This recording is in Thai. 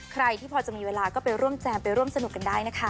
ใครที่พอจะมีเวลาก็ไปร่วมแจมไปร่วมสนุกกันได้นะคะ